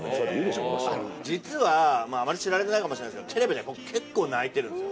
実はあまり知られてないかもしれないですけどテレビで僕結構泣いてるんですよ。